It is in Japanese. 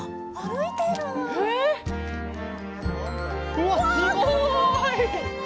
うわすごい。